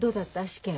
試験。